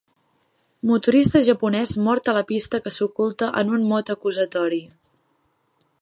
Motorista japonès mort a la pista que s'oculta en un mot acusatori.